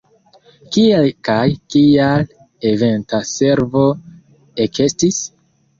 Kiel kaj kial Eventa Servo ekestis?